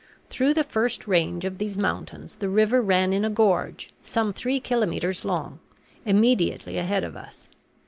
Through the first range of these mountains the river ran in a gorge, some three kilometres long, immediately ahead of us.